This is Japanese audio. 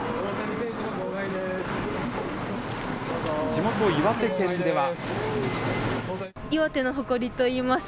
地元、岩手県では。